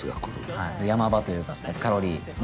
はい山場というかカロリーね